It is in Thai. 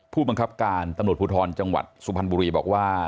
ผู้บังคับการตำรวจภูทรจังหวัดสุพรรณบุรีบอกว่า